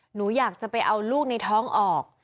หนูอยากจะไปเอาลูกในท้องออก